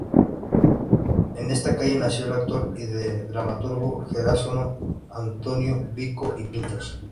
En esta calle nació el actor y dramaturgo jerezano Antonio Vico y Pintos.